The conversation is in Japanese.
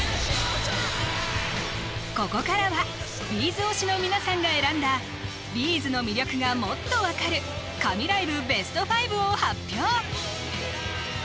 ここからは「Ｂ’ｚ」推しの皆さんが選んだ「Ｂ’ｚ」の魅力がもっと分かる神ライブベスト５を発表！